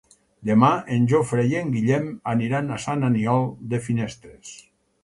Demà en Jofre i en Guillem aniran a Sant Aniol de Finestres.